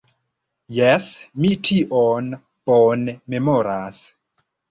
Jes, mi tion bone memoras.